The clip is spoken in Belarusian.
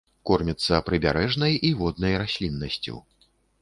Корміцца прыбярэжнай і воднай расліннасцю.